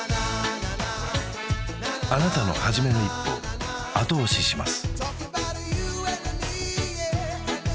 あなたの初めの一歩後押しします